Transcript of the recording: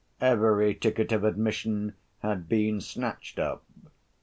Every ticket of admission had been snatched up.